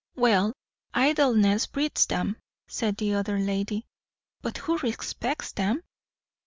"Well, idleness breeds 'em," said the other lady. "But who respects them?"